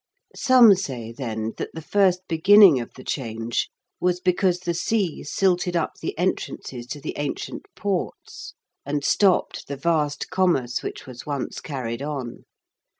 Some say, then, that the first beginning of the change was because the sea silted up the entrances to the ancient ports, and stopped the vast commerce which was once carried on.